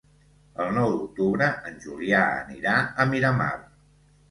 El nou d'octubre en Julià anirà a Miramar.